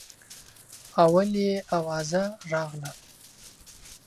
اول یې اوازه راغله.